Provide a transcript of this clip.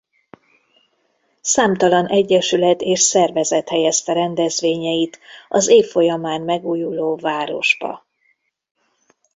Számtalan egyesület és szervezet helyezte rendezvényeit az év folyamán megújuló városba.